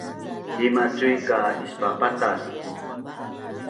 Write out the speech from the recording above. Hima’ cui ka ispapatas